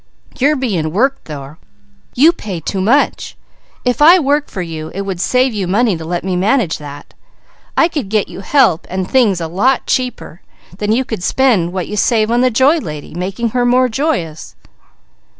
You're being worked though. You pay too much. If I work for you it would save you money to let me manage that; I could get you help and things a lot cheaper, then you could spend what you save on the Joy Lady, making her more joyous."